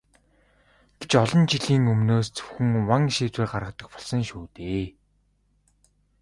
Гэвч олон жилийн өмнөөс зөвхөн ван шийдвэр гаргадаг болсон шүү дээ.